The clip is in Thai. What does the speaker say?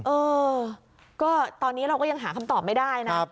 เออก็ตอนนี้เราก็ยังหาคำตอบไม่ได้นะ